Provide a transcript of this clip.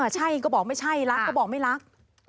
ใช่ก็บอกไม่ใช่รักก็บอกไม่รัก